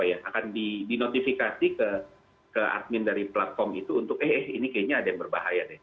akan di notifikasi ke admin dari platform itu untuk eh ini kayaknya ada yang berbahaya deh